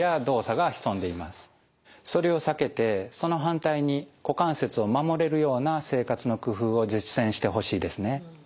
それを避けてその反対に股関節を守れるような生活の工夫を実践してほしいですね。